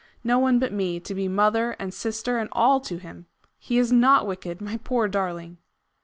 No one but me to be mother and sister and all to him! He is NOT wicked my poor darling!"